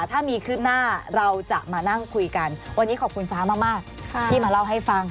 ถ้ามีขึ้นหน้าเราจะมานั่งคุยกันวันนี้ขอบคุณฟ้ามากที่มาเล่าให้ฟัง